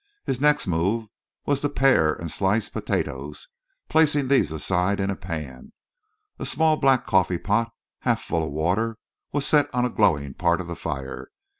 His next move was to pare and slice potatoes, placing these aside in a pan. A small black coffee pot half full of water, was set on a glowing part of the fire.